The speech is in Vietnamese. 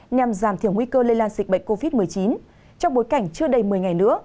nhằm giảm thiểu nguy cơ lây lan dịch bệnh covid một mươi chín trong bối cảnh chưa đầy một mươi ngày nữa